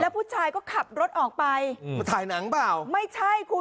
ผู้ชายก็ขับรถออกไปอืมมาถ่ายหนังเปล่าไม่ใช่คุณ